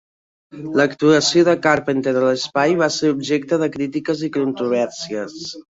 L'actuació de Carpenter a l'espai va ser objecte de crítiques i controvèrsies.